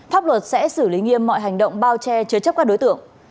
pháp luật sẽ xử lý nghiêm mọi hành động bao che chứa chấp các đối tượng